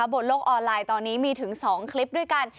บนโลกออนไลน์ตอนนี้มีถึง๒คลิปด้วยกัน